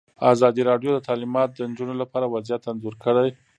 ازادي راډیو د تعلیمات د نجونو لپاره وضعیت انځور کړی.